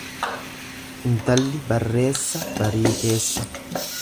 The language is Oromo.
Intalli barreessa barii keessa.